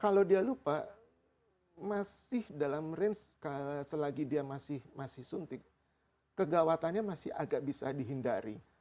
kalau dia lupa masih dalam range selagi dia masih suntik kegawatannya masih agak bisa dihindari